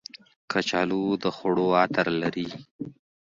کچالو د خوړو عطر لري